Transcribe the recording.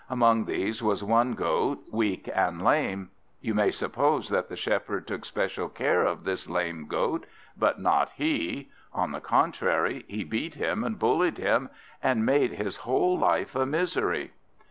Among these was one Goat, weak and lame. You might suppose that the shepherd took especial care of this lame Goat, but not he; on the contrary, he beat him and bullied him, and made his whole life a misery.